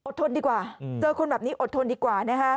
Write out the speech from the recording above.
ทนดีกว่าเจอคนแบบนี้อดทนดีกว่านะคะ